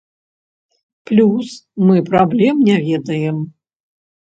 Плюс мы праблем не ведаем.